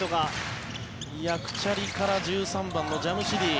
ヤクチャリから１３番のジャムシディ。